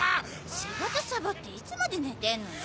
仕事サボっていつまで寝てんのよ。